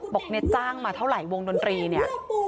บอกเนี่ยจ้างมาเท่าไหร่วงดนตรีเนี่ย